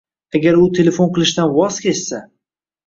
Agar u telefon qilishdan voz kechsa